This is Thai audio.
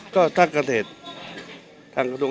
มีแผนว่าจะยดเลิกกันเมื่อไหร่จะดำเนินการเรื่องนี้อย่างไรบ้าง